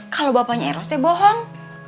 kalau bapaknya eros deh bohong